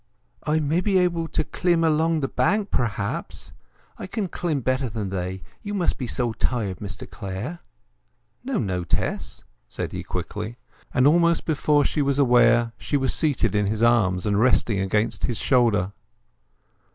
"I may be able to clim' along the bank perhaps—I can clim' better than they. You must be so tired, Mr Clare!" "No, no, Tess," said he quickly. And almost before she was aware, she was seated in his arms and resting against his shoulder.